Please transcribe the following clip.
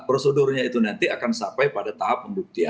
prosedurnya itu nanti akan sampai pada tahap pembuktian